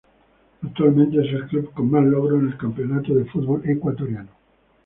Actualmente es el club con más logros en el campeonato de fútbol ecuatoriano.